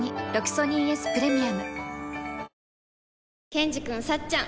ケンジくんさっちゃん